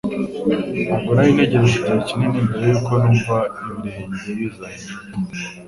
Ntabwo nari ntegereje igihe kinini mbere yuko numva ibirenge biza hejuru.